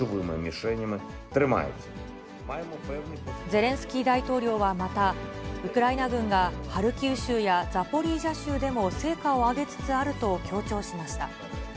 ゼレンスキー大統領はまた、ウクライナ軍がハルキウ州やザポリージャ州でも成果を上げつつあると強調しました。